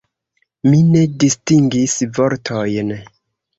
Mi ne distingis vortojn.